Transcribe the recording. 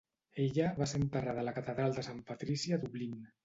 Ella va ser enterrada a la Catedral de San Patrici a Dublín.